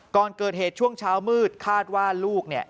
ก่อนเกิดเหตุช่วงเช้ามืดคาดว่าลูกเนี่ย